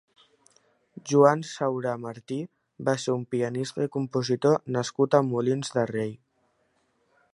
Joan Saura Martí va ser un pianista i compositor nascut a Molins de Rei.